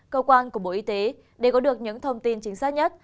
cơ quan của bộ y tế để có được những thông tin chính xác nhất